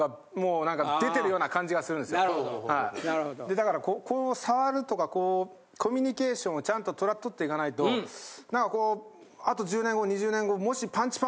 だからこう触るとかこうコミュニケーションをちゃんと取っていかないとなんかこうあと１０年後２０年後もし。